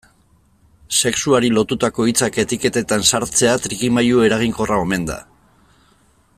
Sexuari lotutako hitzak etiketetan sartzea trikimailu eraginkorra omen da.